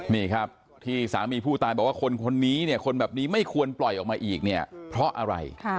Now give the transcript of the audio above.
นี่ครับที่สามีผู้ตายบอกว่าคนคนนี้เนี่ยคนแบบนี้ไม่ควรปล่อยออกมาอีกเนี่ยเพราะอะไร